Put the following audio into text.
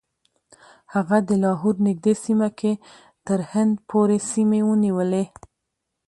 هغه د لاهور نږدې سیمه کې تر هند پورې سیمې ونیولې.